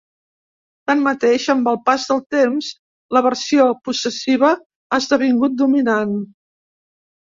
Tanmateix, amb el pas del temps la versió possessiva ha esdevingut dominant.